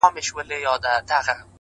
o زما خو ټوله كيسه هر چاته معلومه؛